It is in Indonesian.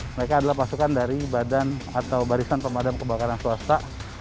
mereka adalah pasukan dari badan atau barisan pemadam kebakaran swasta